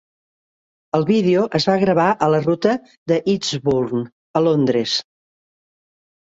El vídeo es va gravar a la ruta d'Eastbourne a Londres.